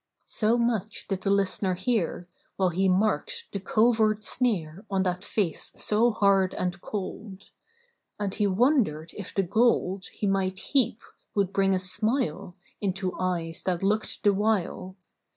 So much did the list'ner hear, While he marked the covert sneer On that face so hard and cold; And he wondered if the gold He might heap would bring a smile Into eyes that looked the while.